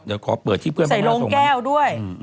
ใส่โรงแก้วด้วย